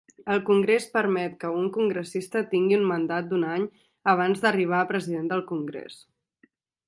El Congrés permet que un congressista tingui un mandat d'un any abans d'arribar a President del Congrés.